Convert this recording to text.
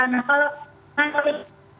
kalau biasa biasanya tidak